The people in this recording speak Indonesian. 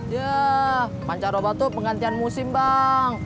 ya pancar oba tuh penggantian musim bang